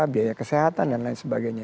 biaya kesehatan dan lain sebagainya